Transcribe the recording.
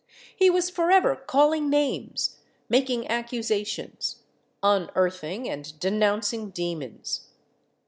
He was forever calling names, making accusations, unearthing and denouncing demons.